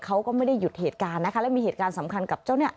เขาก็ไม่ได้หยุดเหตุการณ์นะคะและมีเหตุการณ์สำคัญกับเจ้าเนี่ย